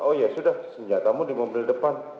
oh ya sudah senjatamu di mobil depan